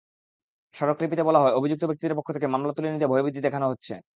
স্মারকলিপিতে বলা হয়, অভিযুক্ত ব্যক্তিদের পক্ষ থেকে মামলা তুলে নিতে ভয়ভীতি দেখানো হচ্ছে।